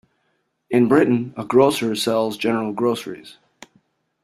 In Britain, a grocer sells general groceries